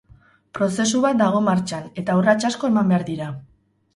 Prozesu bat dago martxan eta urrats asko eman behar dira.